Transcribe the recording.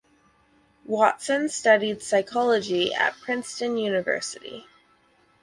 Watson studied psychology at Princeton University.